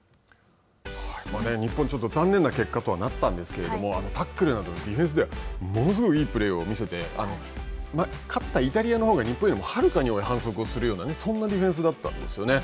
日本はちょっと残念な結果とはなったんですけれどもタックルなどのディフェンスではものすごくいいプレーを見せて勝ったイタリアのほうが日本よりもはるかに多い反則をするようなそんなディフェンスだったんですよね。